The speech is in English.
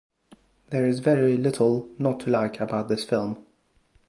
There's very little not to like about this film.